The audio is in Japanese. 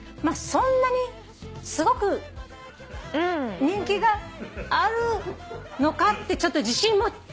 そんなにすごく人気があるのかってちょっと自信持ててうれしい。